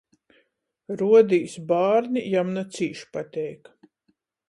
Ruodīs, bārni jam na cīš pateik.